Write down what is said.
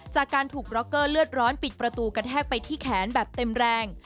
จากการถูกบล็อกเกอร์เลือดร้อนปิดประตูกระแทกไปที่แขนแบบเต็มแรง